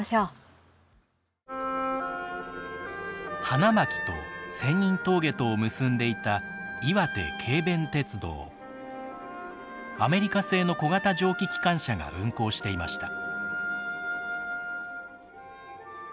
花巻と仙人峠とを結んでいたアメリカ製の小型蒸気機関車が運行していました。